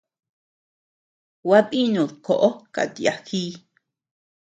Gua dínud koʼo kat yagii.